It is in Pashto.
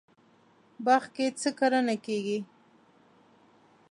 باغ کې څه کرنه کیږي؟